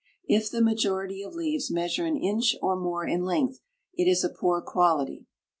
If the majority of leaves measure an inch or more in length it is a poor quality.